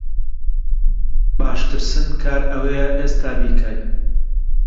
باشترسن کار ئەوەیە ئێستا بیکەی